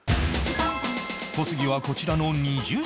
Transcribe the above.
小杉はこちらの２０品